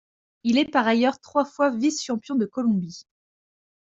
Il est par ailleurs trois fois vice-champion de Colombie.